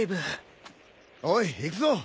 おい行くぞ！